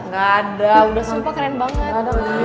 nggak ada udah sumpah keren banget